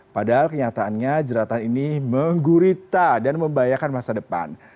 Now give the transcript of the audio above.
padahal kenyataannya jeratan ini menggurita dan membahayakan masa depan